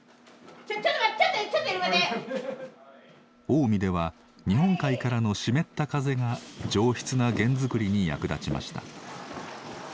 近江では日本海からの湿った風が上質な弦づくりに役立ちました。